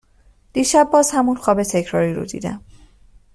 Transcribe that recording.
دیشب باز همون خواب تکراری رو دیدم